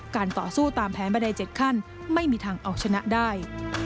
ต่อสู้ตามแผนบันได๗ขั้นไม่มีทางเอาชนะได้